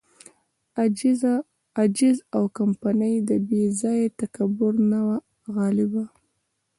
عجز او کمیني د بې ځای تکبر نه وه غالبه.